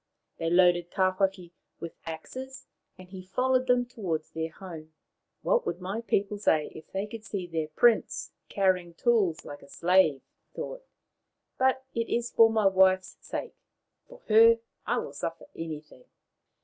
They loaded Tawhaki with axes, and he followed them towards their home. " What would my people say if they could see their Prince carry ing tools like a slave ?" he thought. " But it is for my wife's sake. For her I will suffer anything."